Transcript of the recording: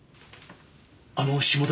あの下田